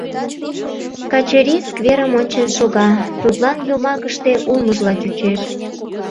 Качырий скверым ончен шога, тудлан йомакыште улмыжла чучеш.